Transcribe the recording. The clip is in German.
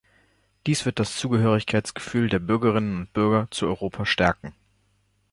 Dies wird das Zugehörigkeitsgefühl der Bürgerinnen und Bürger zu Europa stärken.